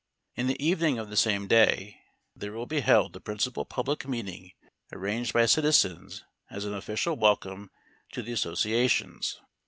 In the evening of the same day there will be held the principal public meeting arranged by citizens as an official welcome to the associations.